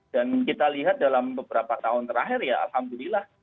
dan kita lihat dalam beberapa tahun terakhir ya alhamdulillah